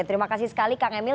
terima kasih sekali kang emil